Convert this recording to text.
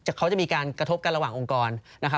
เขาจะมีการกระทบกันระหว่างองค์กรนะครับ